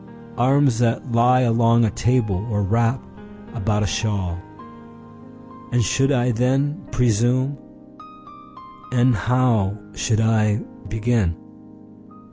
Arms that lie along a table, or wrap about a shawl. And should I then presume? And how should I begin?